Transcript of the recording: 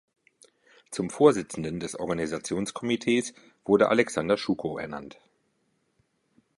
Zum Vorsitzenden des Organisationskomitees wurde Alexander Schukow ernannt.